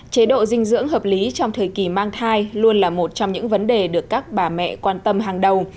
chế độ dinh dưỡng hợp lý trong thời kỳ mang thai luôn là một trong những vấn đề được các bà mẹ quan tâm hàng đầu